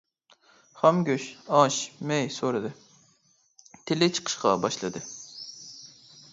خام گۆش، ئاش، مەي سورىدى، تىلى چىقىشقا باشلىدى.